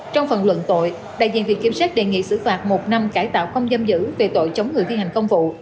trong phần luận tội đại diện viện kiểm sát đề nghị xử phạt một năm cải tạo không giam giữ về tội chống người thi hành công vụ